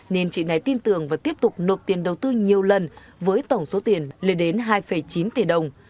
nên chị này tin tưởng và tiếp tục nộp tiền đầu tư nhiều lần với tổng số tiền lên đến hai chín tỷ đồng